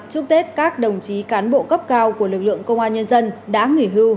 chúc tết các đồng chí cán bộ cấp cao của lực lượng công an nhân dân đã nghỉ hưu